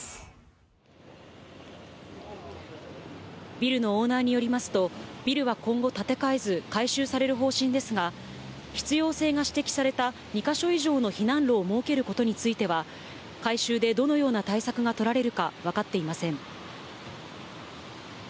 ビルのオーナーによりますと、ビルは今後建て替えず、改修される方針ですが、必要性が指摘された２ヶ所以上の避難路をもうけることについては改修で、どのような対策が取られるか、わかっていません。